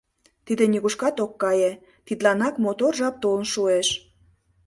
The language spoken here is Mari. Тиде нигушкат ок кае, тидланат мотор жап толын шуэш...